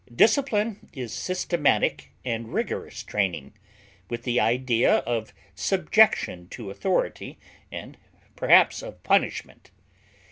Discipline is systematic and rigorous training, with the idea of subjection to authority and perhaps of punishment.